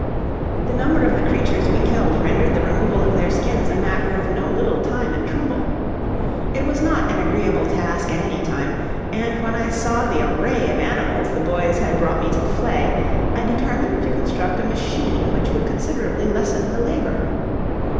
The number of the creatures we killed rendered the removal of their skins a matter of no little time and trouble. It was not an agreeable task at any time, and when I saw the array of animals the boys had brought me to flay, I determined to construct a machine which would considerably lessen the labor.